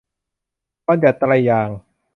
บัญญัติไตรยางศ์